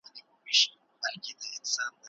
د اصفهان محاصرې خلک ډېر وځورول.